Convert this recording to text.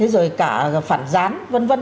rồi cả phản gián v v